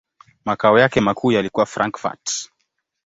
Makao yake makuu yalikuwa Frankfurt.